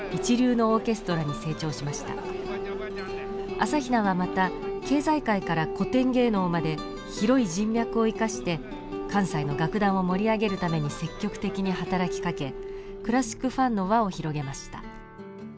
朝比奈はまた経済界から古典芸能まで広い人脈を生かして関西の楽壇を盛り上げるために積極的に働きかけクラシックファンの輪を広げました。